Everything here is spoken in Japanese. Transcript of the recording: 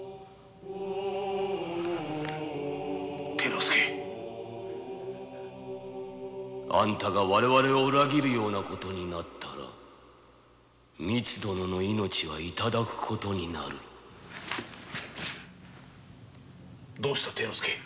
貞之介！あんたが我々を裏切るような事になったらみつ殿の命は頂く事になるどうした貞之介？